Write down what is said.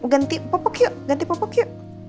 ganti popok yuk ganti popok yuk